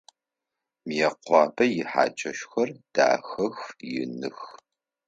Мыекъуапэ ихьакӏэщхэр дахэх, иных.